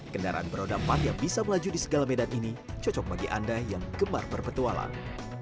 kendaraan beroda empat yang bisa melaju di segala medan ini cocok bagi anda yang gemar berpetualang